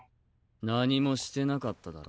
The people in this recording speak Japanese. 何もしてなかっただろ。